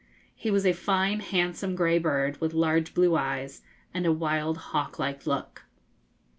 He was a fine, handsome, grey bird, with large blue eyes, and a wild hawk like look.